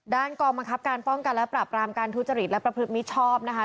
กองบังคับการป้องกันและปราบรามการทุจริตและประพฤติมิชชอบนะคะ